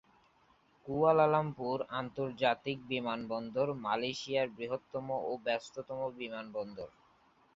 Kuala Lumpur আন্তর্জাতিক বিমানবন্দর মালয়েশিয়ার বৃহত্তম এবং ব্যস্ততম বিমানবন্দর।